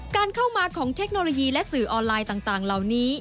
การเข้ามาของเทคโนโลยีและสื่อออนไลน์ต่างเหล่านี้